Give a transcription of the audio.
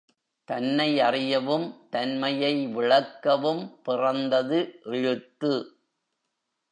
தன்னை அறியவும், தன்மையை விளக்கவும் பிறந்தது எழுத்து.